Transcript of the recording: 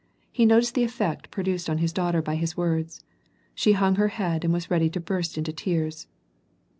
He noticed the effect produced on his daughter by his words. She hung her head and was ready to burst into tears.